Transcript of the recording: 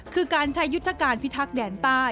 คือการใช้ยุทธการพิทักษ์แดนใต้